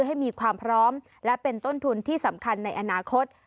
ให้มีความพร้อมและเป็นต้นทุนที่สำคัญในอนาคต